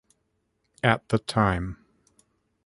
At the time.